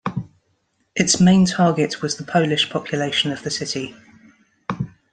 Its main target was the Polish population of the city.